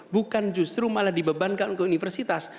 bukan justru malah dibebankan ke universitas